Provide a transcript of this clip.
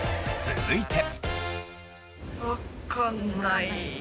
続いて。